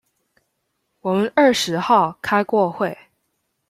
我們二十號開過會